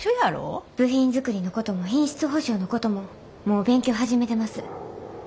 部品作りのことも品質保証のことももう勉強始めてます。